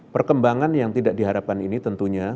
perkembangan yang tidak diharapkan ini tentunya